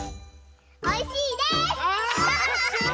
おいしいです！